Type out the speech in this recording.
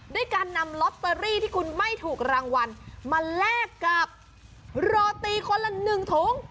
ด้วยการนำลอตเตอรี่ที่คุณไม่ถูกรางวัลมาแลกกับโรตีคนละ๑ถุง